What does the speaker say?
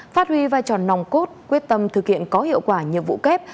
phát huy vai trò nòng cốt quyết tâm thực hiện có hiệu quả nhiệm vụ kép